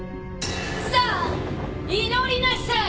さあ祈りなさい！